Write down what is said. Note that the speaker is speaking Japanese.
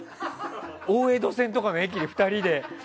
大江戸線とかの駅で２人で。